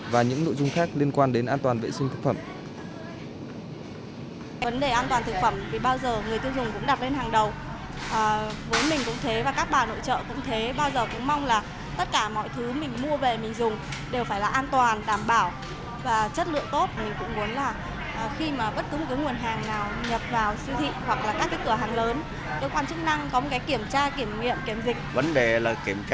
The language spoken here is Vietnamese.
và những nội dung khác liên quan đến an toàn vệ sinh thực phẩm